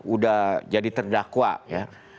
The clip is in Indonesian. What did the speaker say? udah jadi terdakwa ya